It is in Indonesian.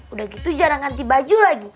udah gitu jarang ganti baju lagi